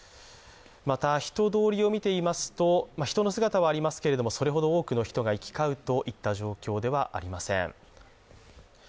また、人通りを見ていますと、人の姿はありますけれども、それほど多くの人が行き交うといった状況ではありません。